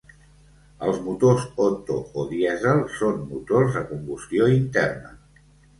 Els motors Otto o dièsel són motors de combustió interna.